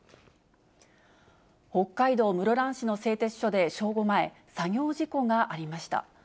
北海道室蘭市の製鉄所で正午前、作業事故がありました。